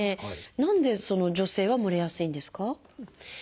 何で女性はもれやすいんですか？